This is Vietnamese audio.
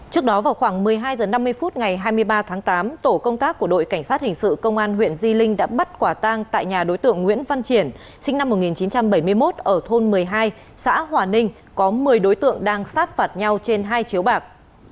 trước đó vào khoảng một mươi hai h năm mươi phút ngày hai mươi ba tháng tám tổ công tác của đội cảnh sát hình sự công an huyện di linh đã bắt quả tang tại nhà đối tượng nguyễn văn triển sinh năm một nghìn chín trăm bảy mươi một ở thôn một mươi hai xã hòa ninh có một mươi đối tượng đang sát phạt nhau trên hai chiếu bạc